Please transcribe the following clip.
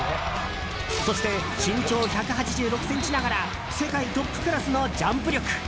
そして身長１８６ｃｍながら世界トップクラスのジャンプ力。